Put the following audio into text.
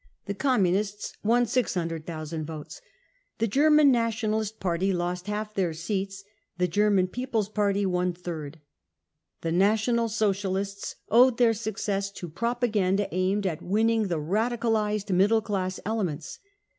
The Communists won 600,000 votes. The German Nationalist Party lost half their seats, the German People's Party one third. The National Socialists owed their success to prop aganda aimed at winning the radicalised middle class elements.